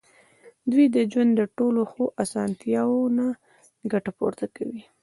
دوی د ژوند له ټولو ښو اسانتیاوو نه ګټه پورته کوي.